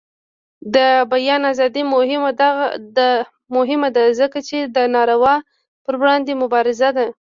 د بیان ازادي مهمه ده ځکه چې د ناروا پر وړاندې مبارزه ده.